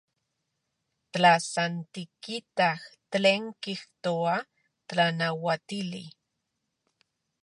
Tla san tikitaj tlen kijtoa tlanauatili.